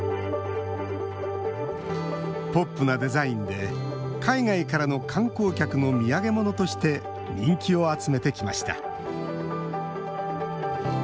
ポップなデザインで海外からの観光客の土産物として人気を集めてきました。